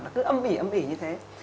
nó cứ âm ỉ âm ỉ như thế